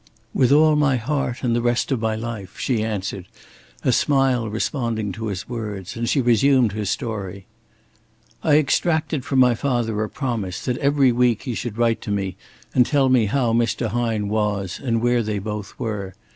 "With all my heart and the rest of my life," she answered, a smile responding to his words, and she resumed her story: "I extracted from my father a promise that every week he should write to me and tell me how Mr. Hine was and where they both were.